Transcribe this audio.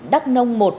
đắc nông một